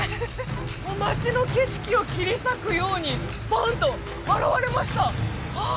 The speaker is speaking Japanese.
街の景色を切り裂くようにボンッと現れましたは